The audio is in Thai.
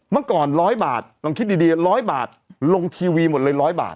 เมื่อก่อน๑๐๐บาทลองคิดดี๑๐๐บาทลงทีวีหมดเลย๑๐๐บาท